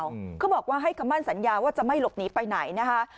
เขาบอกว่าให้คำมั่นสัญญาว่าจะไม่หลบหนีไปไหนนะคะ